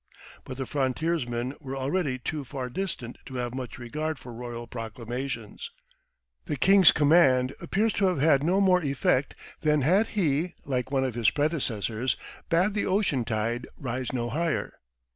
But the frontiersmen were already too far distant to have much regard for royal proclamations. The king's command appears to have had no more effect than had he, like one of his predecessors, bade the ocean tide rise no higher.